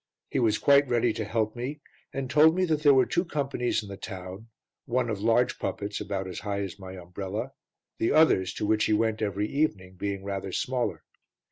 He was quite ready to help me, and told me there were two companies in the town, one of large puppets, about as high as my umbrella, the others, to which he went every evening, being rather smaller.